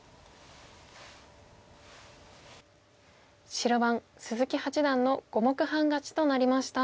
白番鈴木八段の５目半勝ちとなりました。